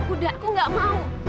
udah aku gak mau